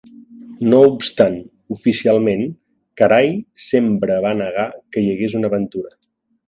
No obstant, oficialment, Caray sembre va negar que hi hagués una aventura.